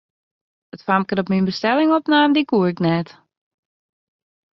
It famke dat myn bestelling opnaam, koe ik net.